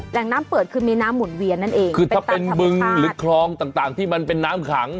แหล่งน้ำเปิดคือมีน้ำหุ่นเวียนนั่นเองคือถ้าเป็นบึงหรือคลองต่างต่างที่มันเป็นน้ำขัง